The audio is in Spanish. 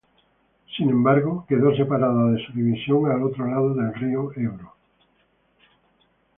Sin embargo, quedó separada de su división al otro lado del río Ebro.